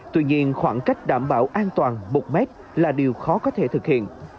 tuy nhiên khoảng cách đảm bảo an toàn một mét là điều khó có thể thực hiện